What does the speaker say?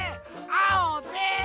あおです！